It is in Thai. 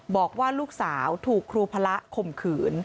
บอกว่าลูกสาวถูกครูพระข่มขืน